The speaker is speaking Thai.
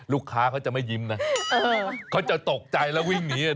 ลูกค้าเขาจะไม่ยิ้มนะเขาจะตกใจแล้ววิ่งหนี